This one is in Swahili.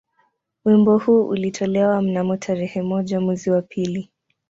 Wimbo huu ulitolewa mnamo tarehe moja mwezi wa pili